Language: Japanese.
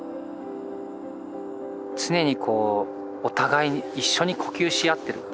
常にこうお互いに一緒に呼吸し合っているっていうか。